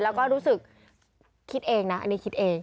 แล้วก็รู้สึกคิดเองนะอันนี้คิดเอง